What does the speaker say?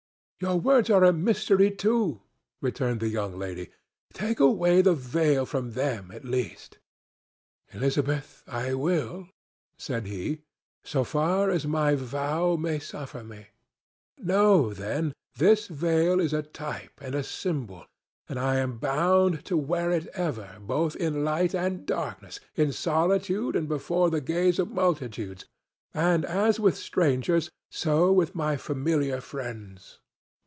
"Your words are a mystery too," returned the young lady. "Take away the veil from them, at least." "Elizabeth, I will," said he, "so far as my vow may suffer me. Know, then, this veil is a type and a symbol, and I am bound to wear it ever, both in light and darkness, in solitude and before the gaze of multitudes, and as with strangers, so with my familiar friends.